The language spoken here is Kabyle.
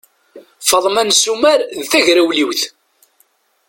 Faḍma n Sumer d tagrawliwt.